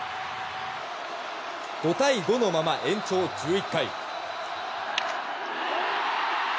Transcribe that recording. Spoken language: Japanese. ５対５のまま、延長１１回。